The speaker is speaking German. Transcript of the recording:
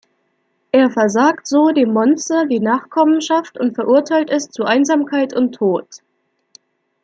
Er versagt so dem Monster die Nachkommenschaft und verurteilt es zu Einsamkeit und Tod.